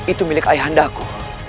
itu milik ayah anda aku